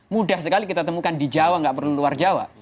mudah sekali kita temukan di jawa nggak perlu luar jawa